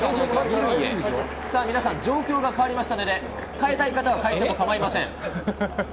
皆さん、状況が変わったので、変えたい方は変えても構いません。